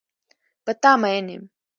په تا مین یم.